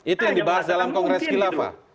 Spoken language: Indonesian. itu yang dibahas dalam kongres kilafah